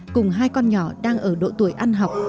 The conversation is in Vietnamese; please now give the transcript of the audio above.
cùng hai con nhỏ đang ở độ tuổi ăn học